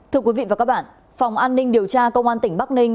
thưa quý vị và các bạn phòng an ninh điều tra công an tỉnh bắc ninh